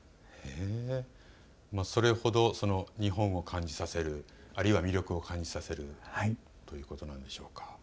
それほど日本を感じさせる、あるいは魅力を感じさせるということなんでしょうか。